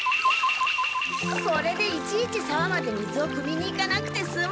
これでいちいちさわまで水をくみに行かなくてすむ。